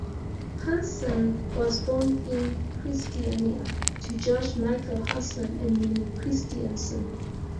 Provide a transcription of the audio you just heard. Hansson was born in Kristiania to judge Michael Hansson and Minnie Christensen.